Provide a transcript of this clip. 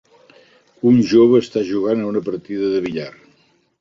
Un jove està jugant a una partida de billar.